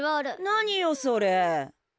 何よそれ。